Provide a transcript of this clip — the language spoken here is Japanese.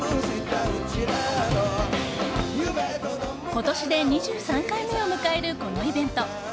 今年で２３回目を迎えるこのイベント。